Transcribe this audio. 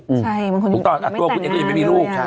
ใช่มีการแตนงานบางที